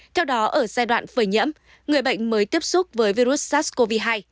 theo đó ở giai đoạn phởi nhẫm người bệnh mới tiếp xúc với virus sars cov hai